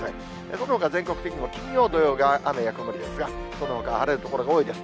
そのほか全国的にも金曜、土曜が雨や曇りですが、そのほかは晴れる所が多いです。